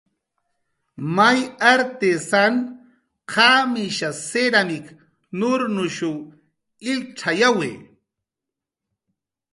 May artisan qamish siramik nuraw uk illyawi